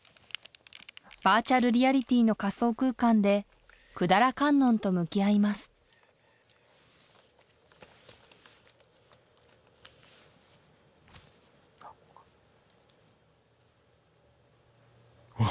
バーチャルリアリティの仮想空間で百済観音と向き合いますおお。